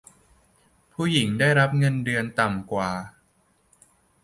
ผู้หญิงได้รับเงินเดือนต่ำกว่า